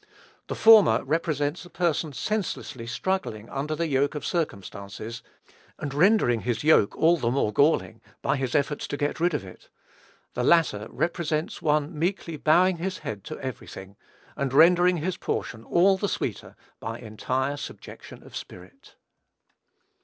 The former represents a person senselessly struggling under the yoke of circumstances, and rendering his yoke all the more galling by his efforts to get rid of it; the latter represents one meekly bowing his head to every thing, and rendering his portion all the sweeter by entire subjection of spirit.